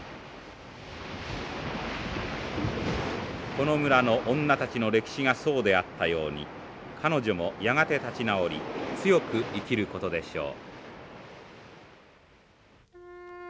この村の女たちの歴史がそうであったように彼女もやがて立ち直り強く生きることでしょう。